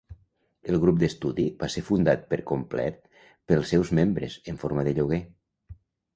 El grup d"estudi va ser fundat per complet pels seus membres, en forma de lloguer.